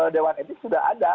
dewan etik sudah ada